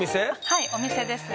はいお店です。